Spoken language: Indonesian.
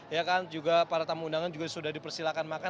ya kan juga para tamu undangan juga sudah dipersilakan makan